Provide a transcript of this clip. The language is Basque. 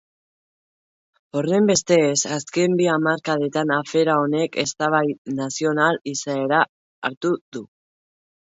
Horrenbestez, azken bi hamarkadetan afera honek eztabaida nazional izaera hartu du.